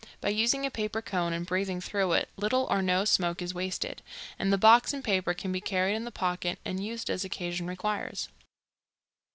By using a paper cone and breathing through it, little or no smoke is wasted, and the box and paper can be carried in the pocket and used as occasion requires."